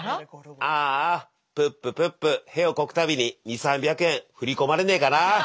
ああプッププップ屁をこく度に２００３００円振り込まれねえかなあ。